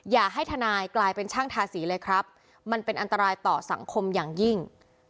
อย่าให้ทนายกลายเป็นช่างทาสีเลยครับมันเป็นอันตรายต่อสังคมอย่างยิ่ง